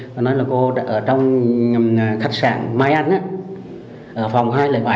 cô nói là cô ở trong khách sạn mai anh á phòng hai trăm linh bảy